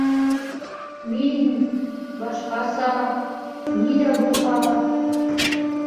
Мин... башҡаса... ни ҙә булһа...